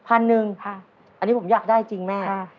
อันนี้ผมอยากได้จริงแม่